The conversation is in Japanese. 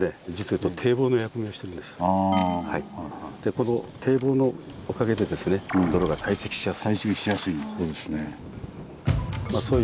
この堤防のおかげで泥が堆積しやすい。